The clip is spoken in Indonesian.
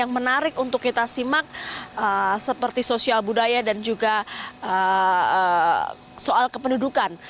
yang menarik untuk kita simak seperti sosial budaya dan juga soal kependudukan